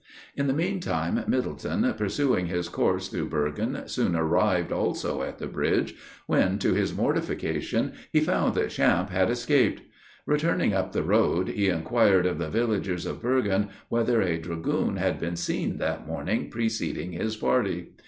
In the meantime, Middleton, pursuing his course through Bergen, soon arrived, also, at the bridge, when, to his mortification, he found that Champe had escaped. Returning up the road, he inquired of the villagers of Bergen, whether a dragoon had been seen that morning preceding his party.